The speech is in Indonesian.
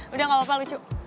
udah gak apa apa lucu